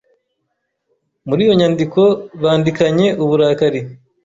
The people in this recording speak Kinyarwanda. Muri iyo nyandiko bandikanye uburakari